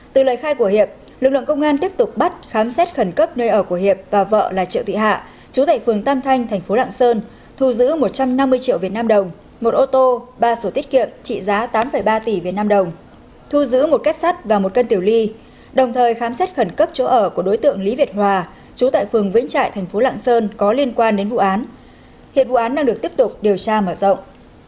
từ lời khai của hiệp lực lượng công an tiếp tục bắt khám xét khẩn cấp nơi ở của hiệp và vợ là triệu thị hạ chú tại phường tam thanh thành phố lạng sơn thu giữ một trăm năm mươi triệu vnđ một ô tô ba sổ tiết kiệm trị giá tám ba tỷ vnđ thu giữ một kết sắt và một cân tiểu ly đồng thời khám xét khẩn cấp chỗ ở của đối tượng lý việt hòa chú tại phường vĩnh trại thành phố lạng sơn có liên quan đến vụ án hiệp vụ án đang được tiếp tục điều tra mở rộng